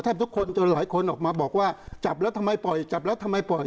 ทุกคนจนหลายคนออกมาบอกว่าจับแล้วทำไมปล่อยจับแล้วทำไมปล่อย